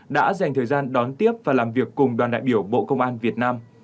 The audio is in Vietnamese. đã dành thời gian đón tiếp và làm việc cùng đoàn đại biểu bộ công an việt nam